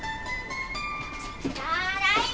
ただいま！